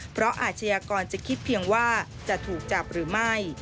เพราะอาชญากรจะคิดเพียงว่าจะถูกจับหรือไม่